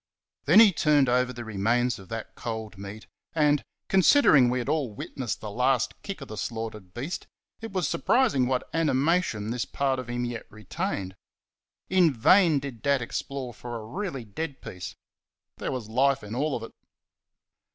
Then he turned over the remains of that cold meat, and, considering we had all witnessed the last kick of the slaughtered beast, it was surprising what animation this part of him yet retained. In vain did Dad explore for a really dead piece there was life in all of it.